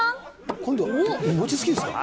今度、餅つきですか？